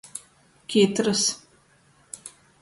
Kitrs.